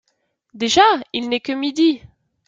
Déjà ! il n’est que midi !